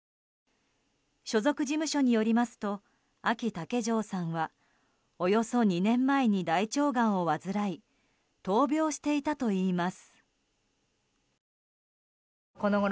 所属事務所によりますとあき竹城さんはおよそ２年前に大腸がんを患い闘病していたといいます。